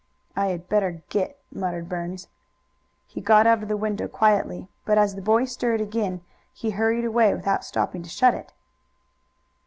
"I had better get," muttered Burns. He got out of the window quietly, but as the boy stirred again he hurried away without stopping to shut it.